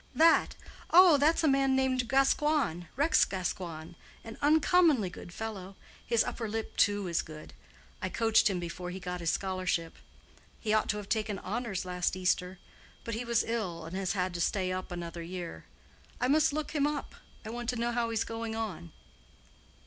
"That! Oh, that's a man named Gascoigne—Rex Gascoigne. An uncommonly good fellow; his upper lip, too, is good. I coached him before he got his scholarship. He ought to have taken honors last Easter. But he was ill, and has had to stay up another year. I must look him up. I want to know how he's going on."